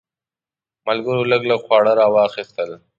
ملګرو لږ لږ خواړه راواخیستل.